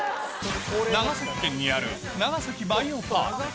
長崎県にある長崎バイオパーク。